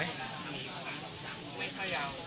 ไม่ค่อยยาว